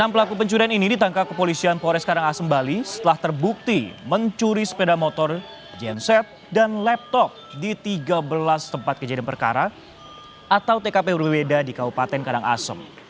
enam pelaku pencurian ini ditangkap kepolisian pores karangasem bali setelah terbukti mencuri sepeda motor genset dan laptop di tiga belas tempat kejadian perkara atau tkp berbeda di kabupaten karangasem